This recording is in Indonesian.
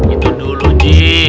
itu dulu ji